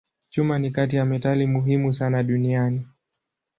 Chuma ni kati ya metali muhimu sana duniani.